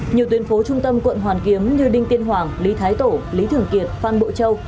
nhiều tuyến phố trung tâm quận hoàn kiếm như đinh tiên hoàng lý thái tổ lý thường kiệt phan bộ châu